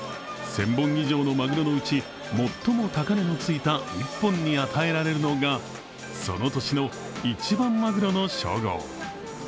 １０００本以上のマグロのうち、最も高値のついた１本に与えられるのがその年の一番マグロの称号。